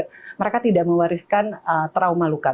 supaya juga mereka tidak mewariskan trauma lukstop